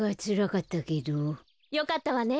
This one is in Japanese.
よかったわね。